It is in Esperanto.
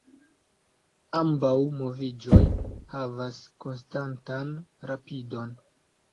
Ambaŭ moviĝoj havas konstantan rapidon.